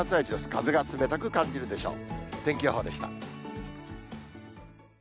風が冷たく感じるでしょう。